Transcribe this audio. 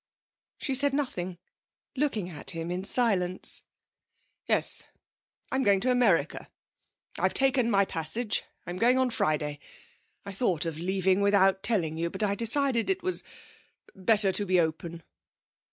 She said nothing, looking at him in silence. 'Yes. I'm going to America. I've taken my passage. I'm going on Friday.... I thought of leaving without telling you, but I decided it was better to be open.'